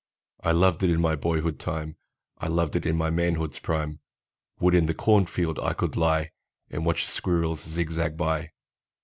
I loved it in my boyhood time, I loved it in my manhood's prime, Would in the corn field I could lie, And watch the squirrels zigzag by!